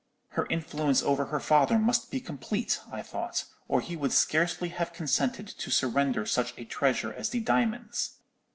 "'Her influence over her father must be complete,' I thought, 'or he would scarcely have consented to surrender such a treasure as the diamonds.